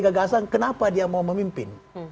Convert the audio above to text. gagasan kenapa dia mau memimpin